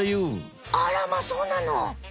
あらまそうなの！？